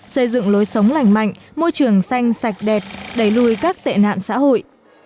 xây dựng lối sống lành mạnh môi trường xanh sạch đẹp đẩy lùi các tệ nạn xã hội